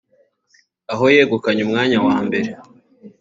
aho yegukanye umwanya wa mbere